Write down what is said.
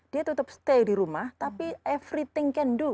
dia tetap stay di rumah tapi everything can do